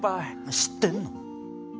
知ってんの？